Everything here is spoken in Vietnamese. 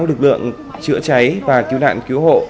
lực lượng chữa cháy và cứu nạn cứu hộ